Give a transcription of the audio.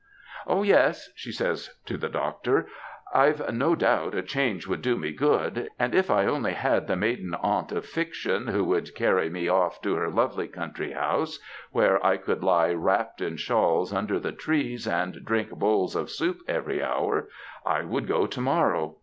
^* Oh TRIALS OF A WIFE 107 yes,*" she aays to the doctor, " Pre no doubt a change would do me good, and if I only had the Maiden Aunt of fiction who would carry me off to her lorely country house, where I could lie wrapped in shawls under the trees and drink bowls of soup every hour, I would go to morrow.